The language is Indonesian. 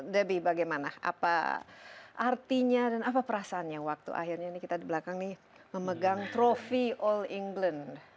debbie bagaimana apa artinya dan apa perasaannya waktu akhirnya ini kita di belakang nih memegang trofi all england